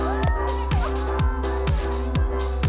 น่ารักที่ไป